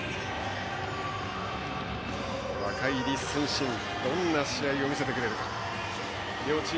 若い李承信どんな試合を見せてくれるのか。